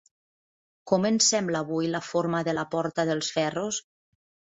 Com ens sembla avui la forma de la Porta dels Ferros?